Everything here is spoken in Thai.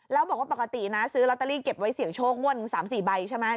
แล้วบอกว่าปกตินะซื้อลอตเตอรี่เก็บไว้เสี่ยงโชคงวดหนึ่ง๓๔ใบใช่ไหม